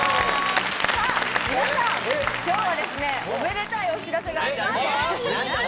皆さん、きょうはですね、おめでたいお知らせがありますよ。